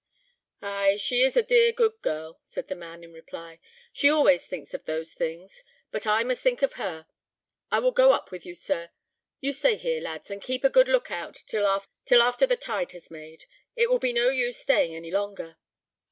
"Ay! she is a dear good girl," said the man, in reply; "she always thinks of those things; but I must think of her. I will go up with you, sir. You stay here, lads, and keep a good look out till after the tide has made; it will be no use staying any longer."